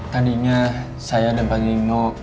tandinya saya dapet nino